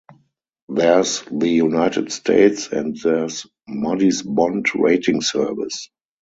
There's the United States and there's Moody's Bond Rating Service.